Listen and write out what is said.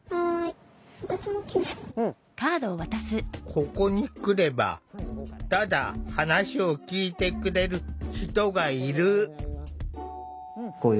ここに来ればただ話を聴いてくれる人がいる。